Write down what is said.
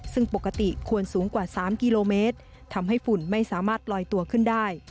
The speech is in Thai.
ซึ่งปกติควรสูงกว่า๓กิโลเมตรทำให้ฝุ่นไม่สามารถลอยตัวขึ้นได้